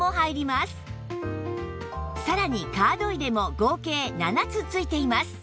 さらにカード入れも合計７つ付いています